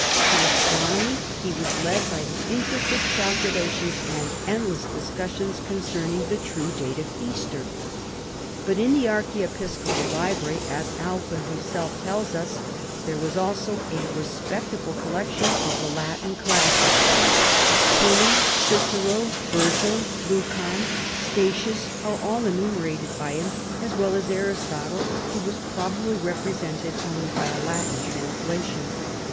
To astronomy he was led by the in tricate calculations and endless discussions concerning the true date of Easter. But in the archiepiscopal library, as Alcuin himself tells us, there was also a respectable collection of the Latin classics, Pliny, Cicero, Virgil, Lucan, Statins are all enumerated by him, as well as Aristotle, who was probably rep resented only by a Latin translation.